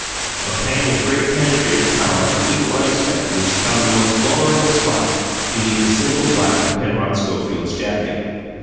A pang of great penetrative power and equal unexpectedness found the most vulnerable spot beneath the simple black of Penrod Schofield's jacket.